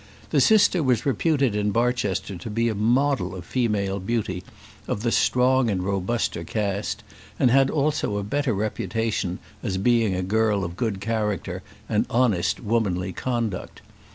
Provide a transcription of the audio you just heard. The sister was reputed in Barchester to be a model of female beauty of the strong and robuster cast, and had also a better reputation as being a girl of good character and honest, womanly conduct.